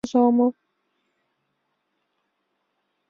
— Так ойлаш, мый тыйын сатуэтлан оза омыл.